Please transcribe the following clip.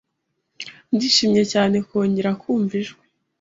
ndishimye cyane kongera kumva ijwi